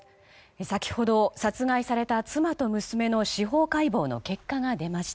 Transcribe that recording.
先ほど殺害された妻と娘の司法解剖の結果が出ました。